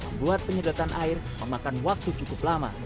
membuat penyedotan air memakan waktu cukup lama